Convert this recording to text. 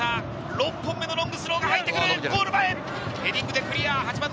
６本目のロングスローが入ってくる、ゴール前、ヘディングでクリア。